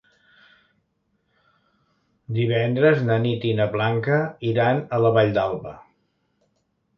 Divendres na Nit i na Blanca iran a la Vall d'Alba.